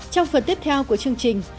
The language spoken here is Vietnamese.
trong phần tiếp theo của chương trình